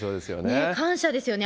感謝ですよね。